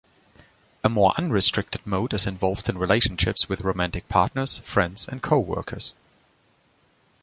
A more unrestricted mode is involved in relationships with romantic partners, friends, and coworkers.